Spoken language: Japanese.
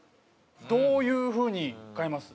どういう風に変えます？